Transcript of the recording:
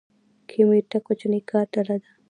کمیټه کوچنۍ کاري ډله ده